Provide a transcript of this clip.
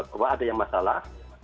bahwa ada yang masalah